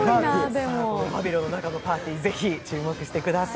この「バビロン」の中のパーティー、ぜひ注目してください。